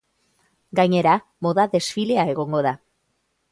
Gainera, moda-desfilea egongo da.